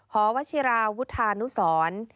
หวชิราวุฒานุสร